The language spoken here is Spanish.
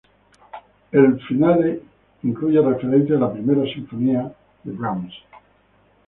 El finale incluye referencias a la Primera Sinfonía de Brahms.